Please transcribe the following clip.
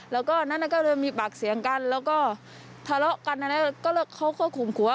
แล้วก็นั้นก็เลยมีปากเสียงกันแล้วก็ทะเลาะกันแล้วก็เขาก็ขุมขัว